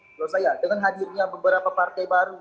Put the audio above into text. menurut saya dengan hadirnya beberapa partai baru